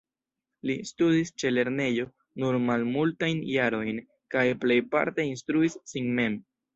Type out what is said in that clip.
Li studis ĉe lernejo nur malmultajn jarojn, kaj plejparte instruis sin mem.